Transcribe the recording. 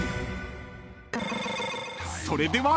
［それでは］